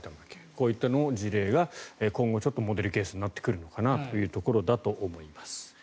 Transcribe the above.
こういった事例が今後モデルケースになってくるのかなというところだと思います。